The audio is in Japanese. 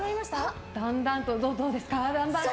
だんだんと、どうですか？